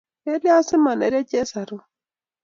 Kelia simanerio chesarur